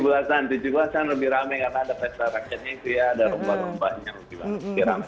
tujuh belasan tujuh belasan lebih rame karena ada pesta rakyatnya itu ya ada romba romba yang lebih rame